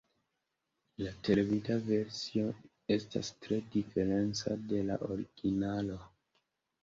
La televida versio estas tre diferenca de la originalo.